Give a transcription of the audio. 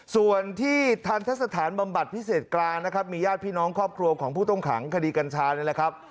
ส่วนที่ทันทะสถานบำบัดพิเศษกลางนะครับมีญาติพี่น้องครอบครัวของผู้ต้องขังคดีกัญชานี่แหละครับ